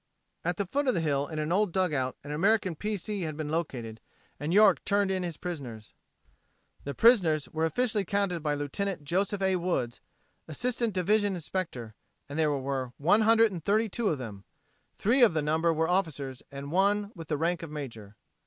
At the foot of the hill in an old dugout an American P. C. had been located, and York turned in his prisoners. The prisoners were officially counted by Lieut. Joseph A. Woods, Assistant Division Inspector, and there were 132 of them, three of the number were officers and one with the rank of major.